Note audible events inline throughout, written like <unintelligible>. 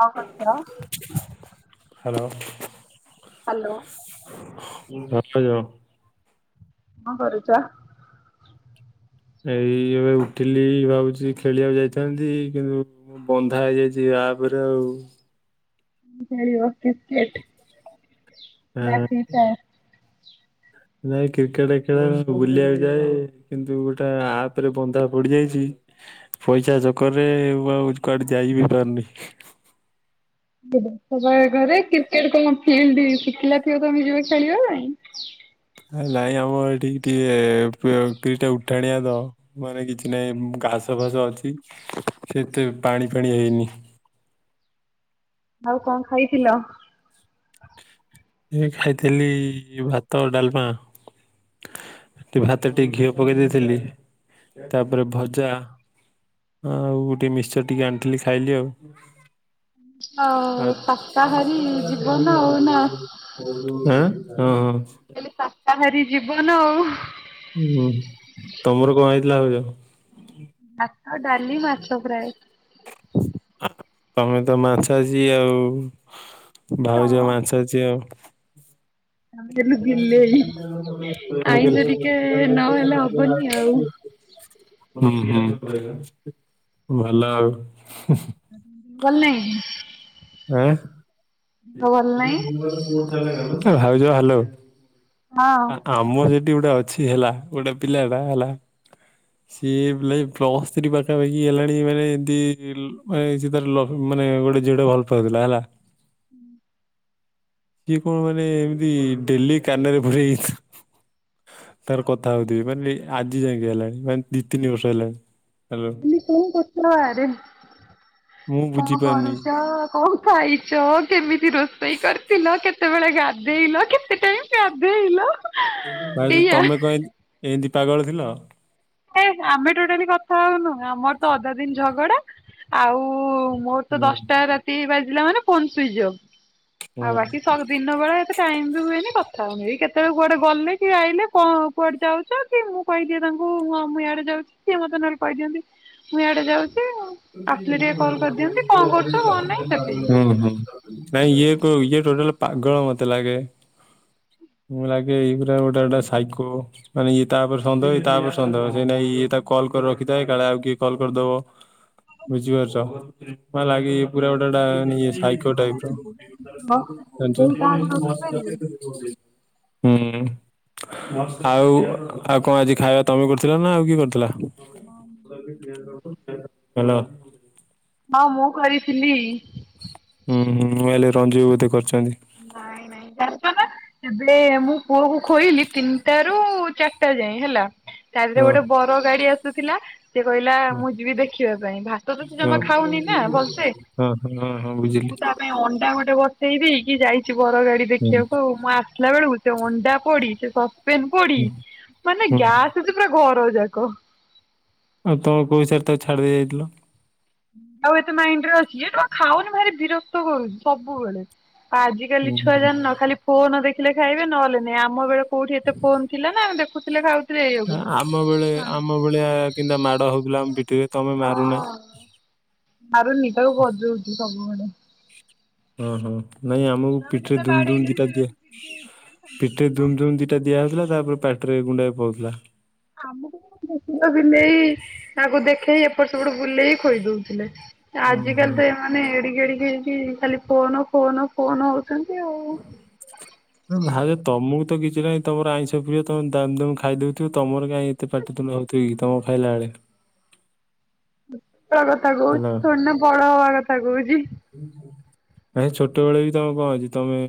କଣ କରୁଚ। Hello. Hello. ଭଲ ଯାଉ <unintelligible> କଣ କରୁଚ। ଏଇ ଏବେ ଉଠିଲି ଭାବୁଛି ଖେଳିବାକୁ ଯାଇଥାନ୍ତି କିନ୍ତୁ। ବନ୍ଧା ହେଇଯାଇଛି ଆପ୍ ରେ ଆଉ। ଖେଳିବ କ୍ରିକେଟ୍ ନାଁ ଆଁ, ଫ୍ରି ଫାଏଆର। ନାଇ କ୍ରିକେଟ୍ ଖେଳ ବୁଲିବାକୁ ଯାଏ କିନ୍ତୁ ଗୋଟେ ଆପ ରେ ବନ୍ଧା ପଡିଯାଇଛି। ପଇସା ଚକରେ ଆଉ କୁଆଡେ ଯାଇ ବି ପାରୁନି। ବା ଘରେ କ୍ରିକେଟ କଣ ଫିଲ୍ଡ ଶୁଖିଲା ଥିବ ତୁମେ ଯିବ ଖେଳିବା ପାଇଁ। ହେ ନାଇଁ ଆମର ଏଠିକି ଟିକେ କିଲିଟ ଉଠାଣିଆ ତ। ମାନେ କିଛି ନାହିଁ ଘାସ ଫାସ ଅଛି ସେତେ ପାଣି ଫାଣି ହେଇନି। ଆଉ କଣ ଖାଇଥିଲ। ଏ ଖାଇଥିଲି ଭାତ ଡାଲମା। ଭାତ ଟିକେ ପକେଇଦେଇଥିଲି ତା ପରେ ଭଜା। ଆଉ ଗୋଟେ ମିଶ୍ଚର ଟିକେ ଆଣିଥିଲି ଖାଇଲି ଆଉ। ଆଉ ଆ ତ। ଶାକାହାରୀ ଜୀବନ <unintelligible> ଆଉ ନା ଆଁ ହଁ ହଁ। କହିଲି ସାକାହାରୀ ଜୀବନ ଆଉ। ହୁଁ ତମର କଣ ଏଇଥିଲା ଅଵିକା। ଭାତ ଡାଲି ମାଛ ଫ୍ରାଏ। ତମେ ତ ମାଛା ଝି ଆଉ ହଁ ଭାଉଜ ମାଂସା ଝିଅ ଆଉ। ଆମେ ହେଲୁ <inaudible> ହଁ ବିଲେଇ। ହୁଁ ଆଇଁଷ ଟିକେ ନହେଲେ ହବନି ଆଉ। ଭଲ ଆଉ। ଭଲ ନାଇଁ। ଆ ଭଲ ନାହିଁ। ଭାଉଜ ହାଲ। ହଁ। ଆମ ସେଠି ଗୋଟେ ଅଛି ହେଲା ଗୋଟେ ପିଲା ଟା ହେଲା। ଯିଏ ବି ଲାଏ ପ୍ଲସ୍ ଥ୍ରୀ ପାଖାପାଖି ହେଲାଣି ମାନେ ଏମିତି ମାନେ ଲୋଭ ମାନେ ଯେ ଗୋଟେ ଝିଅ ଟି କୁ ଭଲ ପାଉ। ପାଉଥିଲା ହେଲା। <inaudible> ଯିଏ କଣ ମାନେ ଏମିତି ଡେଲି କାନରେ ଭରି ହେଇଚି। ତାର କଥା ହଉଥିବେ ମାନେ ଆଜି ଯାଇକି ହେଲାଣି ମାନେ ଦି ତିନି ବର୍ଷ ହେଲାଣି। ହ୍ୟାଲୋ ମାନେ କଉ କଥା ମୁଁ <unintelligible> କଣ ବୁଝିପାରୁନି କରୁଚ କଣ ଖାଇଛ କେମିତି ରୋଷେଇ କରିଥିଲ କେତେବେଳେ ଗାଧେଇଲ କେତେ ଟାଇମ୍ ଗାଧେଇଲ। ଭାଉଜ ଏଇଆ ତମେ କଣ ଏମିତି ପାଗଳ ଥିଲ। ହେ ଆମେ ଟୋଟାଲି କଥା ହଉନୁ। ଆମର ତ ଅଧା ଦିନି ଝଗଡା ଆଉ। ମୋର ତ ହୁଁ ଦଶଟା ରାତି ବାଜିଲା ମାନେ ଫୋନ ସୁଇଚଅଫ୍ ହୁଁ। ଆଉ ବାକି ସ ଦିନ ବେଳେ ଏତ। <unintelligible> କଥା ହଉନି, କେତେବେଳେ କୁଆଡେ ଗଲେ କି ଆଇଲେ, କଣ କୁଆଡେ ଯାଉଛ କି, ମୁଁ କହିଦିଏ ତାଙ୍କୁ। ହ ହଁ ମୁଁ ଇଆଡେ ଯାଉଛି ସିଏ ମତେ ନହେଲେ କହିଦିଅନ୍ତି ମୁଁ ଇଆଡେ ଯାଉଛି। ଆସିଲେ ଟିକେ କଲ୍ କରିଦିଅନ୍ତି କଣ ହଁ କରୁଛ ହଁ। କଣ ନାହିଁ ସେତିକି ନାଇଁ ଇଏ କ ଇଏ ଟୋଟାଲ ପାଗଳ ମତେ ଲାଗେ। ମୁଁ ଲାଗେ ଏଇ ପୁରା ଗୋଟେ ଗୋଟେ ସାଇକୋ। ମାନେ ଇଏ ତାପରେ ସନ୍ଦେହ ଇଏ ତାପରେ ସନ୍ଦହେ ସେଇ ନାଇଁ ଇଏ ତାକୁ କଲ୍ କରି ରଖିଥାଏ କାଳେ ଆଉ କିଏ କଲ୍ କରିଦବ। ବୁଝି ପାରୁଛ ଲାଗେ ପୁରା ଗୋଟା ଗୋଟା ସାଇକୋ ଟାଇପ୍ ର। ବ କେହି କାହାକୁ ରୋକିପାରିବେ? ହୁଁ। ଆଉ ଆଉ କଣ ଆଜି ଖାଇବା ତମେ କରୁଥିଲ ନା ଆଉ କିଏ କରିୁଥିଲା। ହଁ ହ୍ୟାଲୋ। ହଁ ମୁଁ କରିଥିଲି। ହୁଁ ହୁଁ ମୁଁ ହେଲେ ରଞ୍ଜି ବୋଉ ବୋଧେ କରିଛନ୍ତି। ନାଇଁ ନାଇଁ ଜାଣିଛ ନା। ଏବେ ମୁଁ ପୁଅ କୁ ଖୋଇଲି ତିନିଟା ରୁ ଚାରିଟା ଯାଏ ହେଲା। ତା ଦେହରେ ହଁ। ଗୋଟେ ବର ଗାଡି ଆସୁଥିଲା। ସେି କହିଲା ହଁ ମୁଁ ଯିବି ଦେଖିବା ପାଇଁ ଭାତ ତ ସେ ହଁ ଜମା ଖାଉନି ନା ଭଲସେ। ହଁ ହଁ ହଁ ହଁ ବୁଝିଲି ମୁଁ ତା ପାଇଁ ଅଣ୍ଡା ଗୋଟେ ବନେ ବସେଇକି ଯାଇଛି ବର ଗାଡି ହୁଁ ଦେଖିବାକୁ ଆଉ ମୁଁ ଆସିଲା ବେଳକୁ ସେ ଅଣ୍ଡା ପୋଡି ସେ ସସ ପେମ୍ପୁଡ଼ି ହୁଁ ମାନେ ହୁଁ। ଗ୍ୟାସ ହୋଉଛି ପୁରା ଘର ଯାକ। ଆଉ ତମ କୋଉ ହିସାବରେ ତାକୁ ଛାଡି ଦେଇ ଯାଇଥିଲ। ଆଉ ଏତେ ମାଇଣ୍ଡ ରେ ଅଛି ତ ଖାଉନି ଭାରି ବିରକ୍ତ କରୁଛି ସବୁବେଳେ। ଆଜି କାଲି ହୁଁ ଛୁଆ ହୁଁ ଜାଣିନ ନ ଖାଲି ଫୋନ ଦେଖିଲେ ଖାଇବେ ନହଲେ ନାଇ ଆମ ବେଳ କୋଉଠି ଏତେ ଫୋନ ଥିଲା ନା ଦେଖୁଥିଲେ ଖାଉ ଆମ ବଳେ ଆମ ଭଳିଆ କେମତିଆ ମାଡ ହଉଥିଲା ଆମ ପିଠିରେ ତମେ ମାରୁନା। ମାରୁନି ଟାକୁ ବଜଉଛି ସବୁବେଳେ। ଓ ହଁ ନାଇଁ ଆମକୁ ଛୁଆକୁ ପିଠରେ ଯେତେ ଧୁମ ଧୁମ୍ ବାଡେଇଲେ ବି ଦିଟା ସେ ଦିଆ ବେଶୀ ଜିଦି ହେଇଯିବେ। ପିଠରେ ଧୁମ୍ ଧୁମ୍ ଦିଟା ଟା ଦିଆ ହଉଥିଲା ତାପରେ ପାଟିରେ ଗୁଣ୍ଡା ପଉଥିଲା। ଆମକୁ କୁକୁର ବିଲେଇ ତାକୁ ଦେଖେଇି ଏପଟ ସବୁଠୁ ବୁଲେଇକି ଖୋଇ ଦଉଥିଲେ। ହୁଁ ହୁଁ ଆଜିକାଲି ତ ଏମାନେ ଏଡିକି ଏଡିକି ହେଇକି ଖାଲି ଫୋନ ଫୋନ ଫୋନ ହଉଛନ୍ତି ଆଉ। ଭାଉଜ ତମକୁ ତ କିଛି ନାହିଁ, ତମର ଆଇଁଷ ପ୍ରିୟ ତମେ ଦାମ ଦାମ ଖାଇଦଉଥିବ ତମର। କାଇଁ ଏତେ ପାଟ ତୁଣ୍ଡ ହଉଥିବ କି ତମ ଖାଇଲା ବେଳେ। ଛୋଟ ବେଳର କଥା ହେଲା ଥୋଡୀ ନା ବଡ ହବା କଥା କହୁଛି। ଆ ଛୋଟ ବେଳେ ବି ତମେ କଣ ଅଛି ତମେ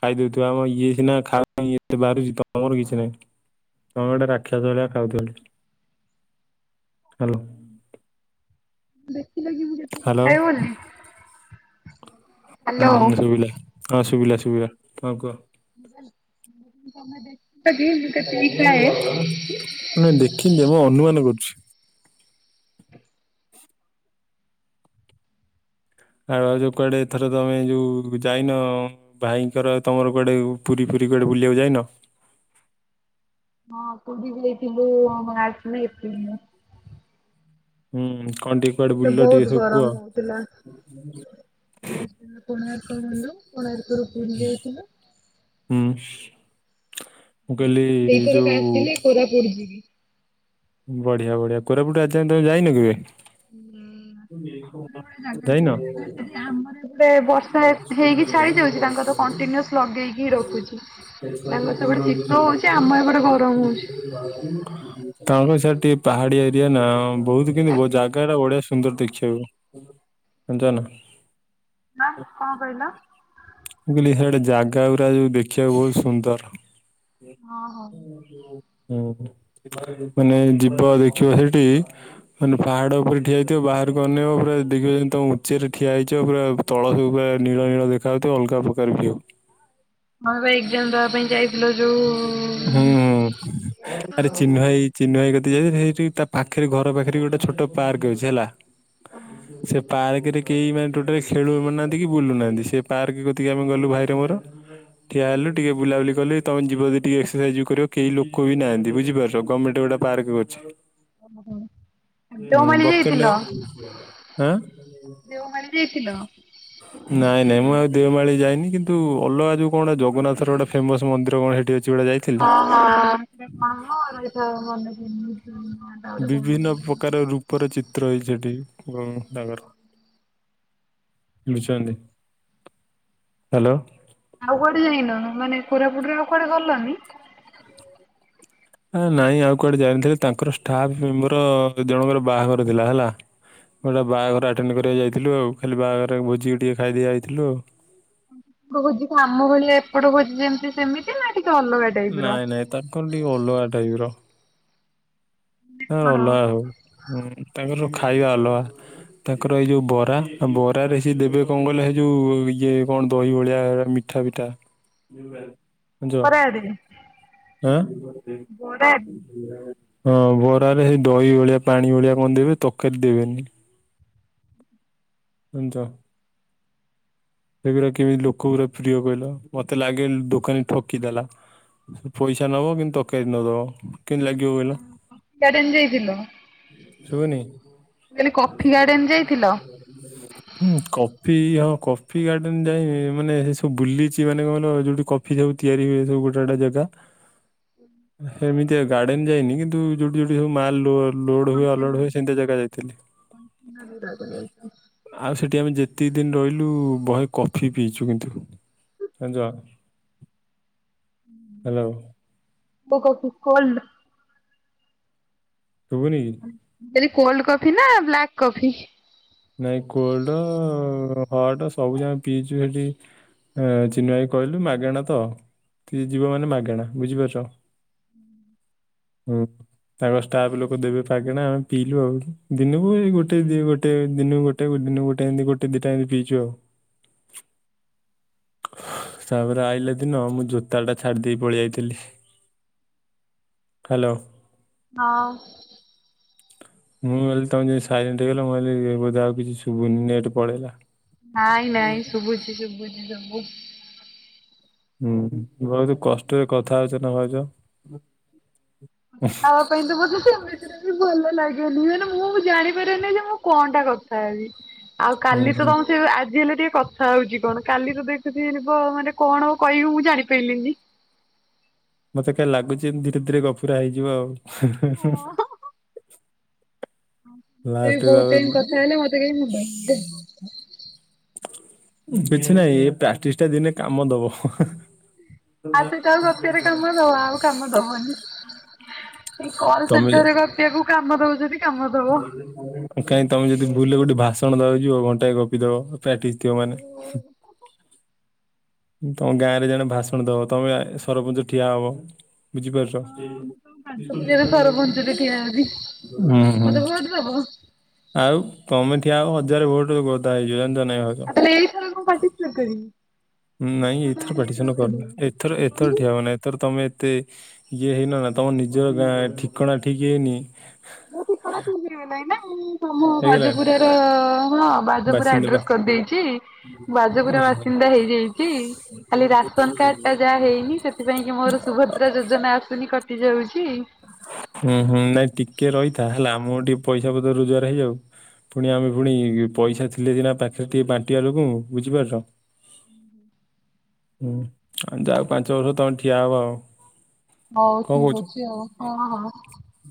ଖାଇଦଉ ଥିବ ଆମ ଇଏ ସି ନା ଖାଇବା ଇଏ ବାରୁଛି ତମର କିଛି ନାହିଁ। ତମେ ଗୋଟେ ରାକ୍ଷସ ଭଳିଆ ଖାଉଛ। ହ୍ୟାଲୋ। ଦେଖିଲେ କି ମୁ କେତିକୀ ହ୍ୟାଲୋ ଖାଏ ବୋଲି। ହୁଁ ହ୍ୟାଲୋ। ହୁଁ ମୁଁ ଶୁଭିଲା ହଁ ଶୁଭିଲା ଶୁଭିଲା କଣ କୁହ। ତମେ ଦେଖିଛ କୀ ମୁ କେତିକି ଖାଏ। <unintelligible> ନାଇଁ ଦେଖିନି ମୁଁ ଅନୁମାନ କରୁଛି। ଛାଡ଼ ଯୋଉ କୁଆଡେ ଏଥର ତମେ ଯୋଉ ଯାଇନ। ଭାଇଙ୍କର ତମର କୁଆଡ଼େ ପୁରୀ ଫୁରୀ କୁଆଡ଼େ ବୁଲିବାକୁ ଯାଇନ। ହଁ ପୁରୀ ଯାଇଥିଲୁ ଆନ୍ନିବେର୍ସରୀ ଦିନ। ହୁଁ କଣ ଟିକେ କୁଆଡେ ତ ବୁଲିଲ ବହୁତ ଟିକେ ସବୁ କୁହ। ଗରମ ହଉଥିଲା। ଫାଷ୍ଟ କୋଣାର୍କ ଗଲୁ କୋଣାର୍କ ରୁ ପୁରୀ ଯାଇଥିଲୁ। ହୁଁ ମୁଁ କଇଲି ଯୋଉ କୋରାପୁୁଟ ଯିବି। ବଢିଆ ବଢିଆ କୋରାପୁଟୁ ଆଜି ଯାଏଁ ତମେ ଯାଇନ କେବେ। ହୁଁ। ଯାଇନ? ନା ଆମର ଏପଟେ ବର୍ଷା ହେଇକି ଛାଡି ଯାଉଛି ତାଙ୍କର କଣ୍ଟିନ୍ୟୁଅସ୍ ଲଗେଇକି ରଖୁଛି ତାଙ୍କର ସେପଟେ ଶୀତ ହେଉଚି ଆମ ଏପଟେ ଗରମ ହେଉଚି। ତାଙ୍କ ର ସିଆଡେ ଟିକେ ପାହାଡି ଏରିଆ ନା ବହୁତ କିନ୍ତୁ ଜାଗାଟା ବଢିଆ ଶୁ ସୁନ୍ଦର ଦେଖିଆକୁ ଜାଣିଚ ନା। ଆଁ କଣ କହିଲ? ମୁଁ କହିଲି ସିଆଡେ ଜାଗା ଗୁରା ଯୋଉ ଦେଖିଆକୁ ବହୁତ ସୁନ୍ଦର। ହଁ ହଉ। ହଁ ହୁଁ ହୁଁ ମାନେ ଯିବ ଦେଖିବ ସେଇଠି ମାନେ ପାହାଡ଼ ଉପରେ ଠିଆ ହେଇଥିବ ବାହାରକୁ ଅନେଇବ ପୁରା ଦେଖିବ ଯେ ତମେ ଉଚ୍ଚରେ ଠିଆ ହେଇଚ ପୁରା ତଳ ବି ପୁରା ନୀଳ ନୀଳ ଦେଖା ଯାଉଥିବ ଅଲଗା ପ୍ରକାର ଭ୍ୟୁ। ଆମେ ବା ଏକ୍ଜାମ ଦବା ପାଇଁ ଯାଇଥିଲ ଯୋଉ ହୁଁ। ଆରେ ଚିନୁ ଭାଇ ଚିନୁ ଭାଇ କତିକି ଯାଇଥି ସେଇଠି ତା ପାଖରେ ଘର ପାଖରେ ଗୋଟେ ଛୋଟ ପାର୍କ ଅଛି ହେଲା। ସେ ପାର୍କରେ କେହି ମାନେ ଟୋଟାଲି ଖେଳୁ ନାହାନ୍ତି କି ବୁଲୁନାହାନ୍ତି ସେ ପାର୍କ କତିକି ଆମେ ଗଲୁ ଭାଇର ମୋର ଠିଆ ହେଲୁ ଟିକେ ବୁଲାବୁଲି କଲୁ ତମେ ଯିବ ଯଦି ଟିକେ ଏକସରସାଇଜ ବି କରିବ କେହି ଲୋକ ବି ନାହାନ୍ତି ବୁଝିପାରୁଛ ଗମେଣ୍ଟ ଗୋଟା ପାର୍କ କରିଚି। ହଁ ଦେଓମାଳି ବକେଟ ଯାଇଥିଲ ନାଗୁରୁ ଆଁ। ଦେଓମାଳି ଯାଇଥିଲ। ନାଇଁ ନାଇଁ ମୁଁ ଆଉ ଦେଓମାଳି ଯାଇନି କିନ୍ତୁ ଅଲଗା ଯଉ କଣ ଜଗନ୍ନାଥର ଗୋଟା ଫେମସ ମନ୍ଦିର କଣ ସେଠି ଅଛି ଗୋଟେ ଯାଇ ହଁ ହଁ ସେ କଣ ମ ସେଟା ମନେ ପଡୁନି। ଟା ଗୋଟେ କଣ ବିଭିନ୍ନ ପ୍ରକାର ରୂପରେ ଚିତ୍ର ହେଇଛି ସେଠି ହୁଁ ତାଙ୍କର। ବୁଝୁଛନ୍ତି ହ୍ୟାଲୋ। ଆଉ କୁଆଡେ ଯାଇନ ମାନେ କୋରାପୁଟରେ ଆଉ କୁଆଡେ ଗଲନି। ହଁ ନାଇଁ ଆଉ କୁଆଡେ ଯାଇନଥିଲି ତାଙ୍କର ଷ୍ଟାଫ ମେମ୍ବର ଦି ଜଣଙ୍କର ବାହାଘର ଥିଲା ହେଲା। ଗୋଟା ବାହାଘର ଆଟେଣ୍ଡ କରିବାକୁ ଯାଇଥିଲୁ ଆଉ ଖାଲି ବାହାଘର ଭୋଜିିକି ଟିକେ ଖାଇଦେଇ ଆଇଥିଲୁ ଆଉ। ତାଙ୍କ ଭୋଜିଟା ଆମ ଭଳିଆ ଏପଟ ଭୋଜି ଯେମିତି ସେମିତି ନା ଟିକେ ଅଲଗା। ଟାଇପ ର? ନାଇଁ ନାଇଁ ତାଙ୍କର ଟିକେ ଅଲଗା ଟାଇପର। ତାଙ୍କର କଣ ଅଲଗା ହଉ ହୁଁ ତାଙ୍କର ଖାଇବା ଅଲଗା। ତାଙ୍କର ଏଇ ଯୋଉ ବରା ବରାରେ ସିଏ ଦେବେ କଣ କହିଲ ସେଇ ଯୋଉ ଇଏ କଣ ଦହି ଭଳିଆ ମି ମୀଠା ପିଠା ଜାଣିଛ ବରାରେ। ଆଁ ବରାରେ। ହଁ ବରାରେ ସେଇ ଦହି ଭଳିଆ ପାଣି ଭଳିଆ କଣ ଦେବେ ତରକାରୀ ଦେବେନି। <unintelligible> ସେଗୁରା କେମିତି ଲୋକ ପୁରା ପ୍ରିୟ କହିଲ ମତେ ଲାଗେ ଦୋକାନୀ ଠକିଦେଲା। ପଇସା ନବ କିନ୍ତୁ ତରକାରୀ ନଦବ କିନ୍ତି ଲାଗ ଗାର୍ଡେନ ଯାଇଥିଲ। ଶୁବୁନି। ମୁଁ କଇଲି କଫି ଗାର୍ଡେନ ଯାଇଥିଲ। ହୁଁ କଫି ହ କ କଫି ଗାର୍ଡ଼େନ୍ ଯାଇଁ ମାନେ ସେ ସବୁ ବୁଲୁଚି ମାନେ କ କଇଲ ଯୋଉଠି କଫି ସବୁ ତିଆରି ହୁଏ ସବୁ ଗୋଟା ଗୋଟା ଜାଗା। <unintelligible> ଏମିତିଆ ଗାର୍ଡେନ୍ ଯାଇନି କିନ୍ତୁ ଯୋଉଠି ଯୋଉଠି ସବୁ ମାଲ ଲୋଡ ହୁଏ ଅଲୋଡ଼ ହୁଏ ସେମିତି ଜାଗା ଯାଇଥିଲି। <unintelligible> ଆଉ ସେଠି ଆମେ ଯେତିକି ଦିନ ରହିଲୁ ବହେ କଫି ପିଇଛୁ କିନ୍ତୁ। ହେଲୋ। କୋଲଡ <unintelligible> ସୁବୁନି କି? ଯଦି କୋଲଡ କଫି ନା ବ୍ଲାକ୍ କଫି? ନାଇଁ କୋଲଡ ହଟ ସବୁ ଜାକ ପିଇଛୁ ସେଠି ହ ଚିନ ଭାଇ କହିଲୁ ମାଗେଣା ତ। କି ଜୀବ ମାନେ ମାଗେଣା ବୁଝିପାରୁଛ ହୁଁ। ତାଙ୍କ ଷ୍ଟାଫ ଲୋକ ଦେବେ ମାଗଣା ଆମେ ପିଇଲୁ ଆଉ ଦିନକୁ ଏ ଗୋଟେ ଦି ଗୋଟେ ଦିନକୁ ଗୋଟେ ଦିନକୁ ଗୋଟେ ଏମତି ଗୋଟା ଦିଟା ଏମତି ପିଇଛୁ ଆଉ। ତାପରେ ଆଇଲା ଦିନ ମୁଁ ଜୋତା ଟା ଛାଡି ଦେଇେ ପଳେଇ ଯାଇଥିଲି। ହେଲୋ। ହଁ। ମୁଁ କହିଲି ତମେ ଯିମି ସାଇଲେଣ୍ଟ ହେଇଗଲା ମୁଁ ଭାବିଲି ବୋଧେ ଆଉ କିଛି ଶୁଭୁ ନି ନେଟ ପଳେଇଲା। ନାଇଁ ନାଇଁ ଶୁଭୁଛି ଶୁଭୁଛି ସବୁ। ହୁଁ ବହୁତ କଷ୍ଟରେ କଥା ଅଛ ନା ଭାଉଜ୍। ଖବା ପାଇଁ ତ ବଝ ସେ <unintelligible> ବି ଭଲ ଲାଗେନି ମାନେ ମୁଁ ଜାଣିପାରେନି ଯେ ମୁଁ କଣ ଟା କଥା ହେବି। ଆଉ ହୁଁ କାଲି ତ ହୁଁ କଣ ସେ ଆଜି ହେଲେ ଟିକେ କଥା ହଉଛି କଣ କାଲି ତ ଦେଖୁଛିିବ ମାନେ କଣ କହିବୁ ମୁଁ ଜାଣିପାରିଲିନି। ମତେ କାହି ଲାଗୁଛି ଧୀରେ ଧୀରେ ଗଫୁରା ହେଇଯିବ ଆଉ। ସେ ଲାଷ୍ଟେ ତା ବହୁତ ଟାଇମ କଥା ହେଲେ ମତେ କାଇଁ ମୁଣ୍ଡ କିଛି ନାଇଁ ଏ ପ୍ରାକ୍ଟିସ ଟା ଦିନେ କାମ ଦବ। ଆ ସେଟା ଆଉ ବାତ୍ୟରେ କାମ ଦବା ଆଉ କାମ ଦବନି କ ତମେ ସେଟରରେ ସେକୁ କାମ ଦଉଛନ୍ତି। କାମ ଦବ। କାହିଁ ତମେ ଯଦି ଭୁଲ ଗୋଟେ ଭାଷଣ ଦବାକୁ ଯିବ ଘଣ୍ଟାଏ ଗପି ଦବ। ପାର୍ଟିସ ଥିବ ମାନେ। ତମ ଗାଁ ରେ ଜଣେ ଭାଷଣ ଦବ ତମେ ସରପଞ୍ଚ ଠିଆ ହବ। କାଠ ପୂଜାରେ ବୁଝିପାରୁଛ ସରପଞ୍ଚରେ ଠିଆ ହେବି ହୁଁ। ହୁଁ। ମତେ ବହୁତ ହବ। ଆଉ ତମେ ଠିଆ ହବ ହଜାର ଭୋଟ ଗଦା ହେଇ ଯିବ ଜାଣିଛ ନା ନାଇଁ। ଏ ସର କଣ ପାଠଛି ନା କି। <unintelligible> ନାଇଁ ଏଥର ପାଟିସନ କରୁନ ଏଥର ଏଥର ଠିଆ ହବ ନା। ତର ତମେ ଏତେ ଇଏ ହେଇନ ନା ତମ ନିଜ ଗାଁ ଠିକଣା ଠିକ ହେଇନି। ମୋ ଠିକଣା ରିଲାଣି ନା ମୁଁ ତମ ହେଇଗଲାଣି ଭାଜପୁର ର ହଁ। <unintelligible> ବାଜ ପୁରା ବାସିନ୍ଦା ବା ଆଡ୍ରେସ କରିଦେଇଛି ବାଜପୁରା ଓହୋ ବାସିନ୍ଦା ହେଇଯାଇଛି। ଖାଲି ରାସନ କାର୍ଡ ଟା ଯାହା ହେଇନି ସେଥିପାଇଁ କି ମୋର ସୁଭଦ୍ରା ଯୋଜନା ଆସୁନି କଟି ଟି ଯାଉଛି। ହୁଁ ହୁଁ ନାଇଁ ଟିକେ ରହିଥା ହେଲା ଆମ ଟିକେ ପଇସା ପତ୍ର ରୋଜଗାର ହେଇଯାଉ। ପୁଣି ଆମେ ପୁଣି ପଇସା ଥିଲେ ସିନା ପାଖରେ ଟିକେ ବାଣ୍ଟିବା ଲୋକମାନଙ୍କୁ ବୁଝିପାରଛ। ହୁଁ ହୁଁ। ହୁଁ ଆଉ ଯାଉ ପାଞ୍ଚ ବର୍ଷ ତମେ ଠିଆ ହବ। ହଉ କଣ କହୁଛ? ଠିକ ଅଛି ଆଉ ହଁ ହଁ।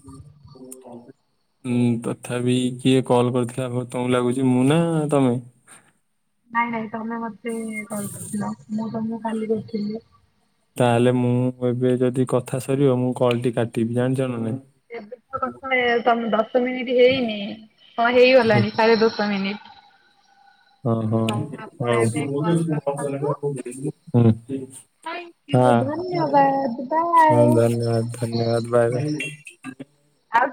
<unintelligible> ଉୁଁ ତଥାପି କିଏ କଲ୍ କରିଥିଲା ହଉ ତମ ଲାଗୁଛି ମୁଁ ନା ତମେ? ନାଇଁ ନାଇଁ ତମେ ମତେ କଲ୍ କରଥିଲ ମୁଁ ତମକୁ କାଲି କରିଥିଲି। ତାହେଲେ ମୁଁ ଏବେ ଯଦି କଥା ସରିବ ମୁଁ କଲ ଟି କାଟିବି ଜାଣିଛ ନା ନାଇଁ। ଏବେ ତ କଥା ଏ ତମ ଦଶ ମିନିଟ ହେଇନି। ହଁ ହେଇଗଲାଣି ସାଢେ ଦଶ ମିନିଟ। ହଁ ହଁ ହଉ ଆପଣ ହଉ ଏବେ ହୁଁ। କଲ ହଁ ରଖନ୍ତୁ। ହଁ ଥ୍ୟାଙ୍କ ୟୁ ଧନ୍ୟବାଦ ବାଏ। ଧନ୍ୟବାଦ ଧନ୍ୟବାଦ ବାଏ ବାଏ। ଆଉ